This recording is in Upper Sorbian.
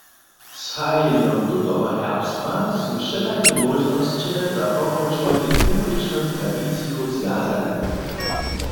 Z hajenjom tutoho herbstwa su wšelake móžnosće za pokročowanje dwurěčnych tradicijow zwjazane.